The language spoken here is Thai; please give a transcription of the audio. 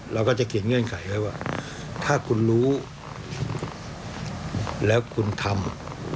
เราก็จะเขียนเงื่อนไขไว้ว่าถ้าคุณรู้แล้วคุณทำ